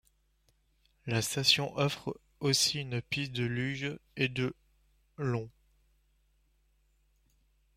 La station offre aussi une piste de luge de de long.